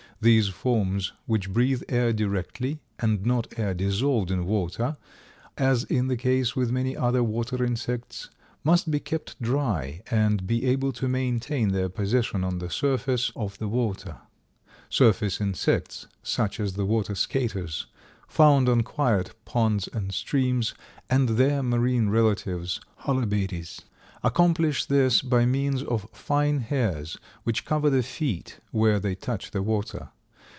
These forms which breathe air directly, and not air dissolved in water, as is the case with many other water insects, must be kept dry and be able to maintain their position on the surface of the water. Surface insects, such as the Water Skaters, found on quiet ponds and streams, and their marine relatives, Holobates, accomplish this by means of fine hairs which cover the feet where they touch the water.